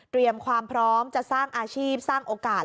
ความพร้อมจะสร้างอาชีพสร้างโอกาส